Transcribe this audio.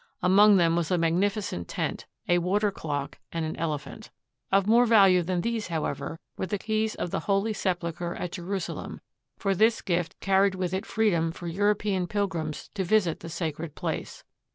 Among them was a magnificent tent, a water clock, and an elephant. Of more value than these, however, were the keys of the Holy Sepul cher at Jerusalem, for this gift carried with it freedom for European pilgrims to visit the sacred place.